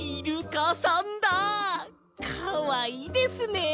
かわいいですねえ。